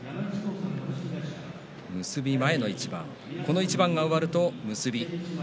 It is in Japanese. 結び前の一番、この一番が終わると結び。